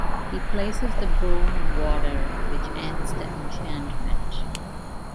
He places the bone in water, which ends the enchantment.